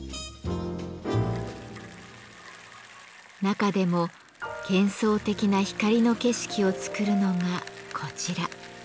中でも幻想的な光の景色を作るのがこちら。